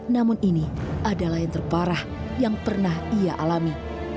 namun ini adalah yang terparah yang pernah ia alami